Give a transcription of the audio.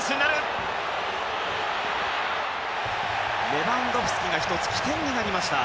レバンドフスキが１つ起点になりました。